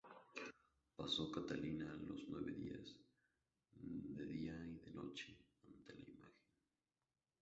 Pasó Catalina los nueve días, de día y de noche ante la imagen.